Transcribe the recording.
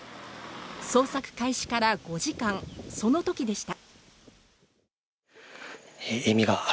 捜索開始から５時間、そのときでした。